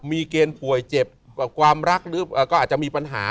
มีเกณฑ์ป่วยเจ็บความรักก็อาจจะมีปัญหา